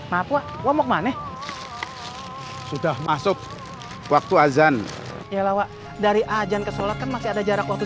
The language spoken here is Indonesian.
maaf wak pornok mane sudah masuk waktu azan yelawa dari ajan ke solat masih ada jarak waktu